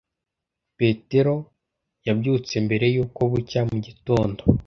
Petero yabyutse mbere yuko bucya mu gitondo.